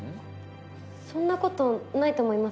そんなことないと思います。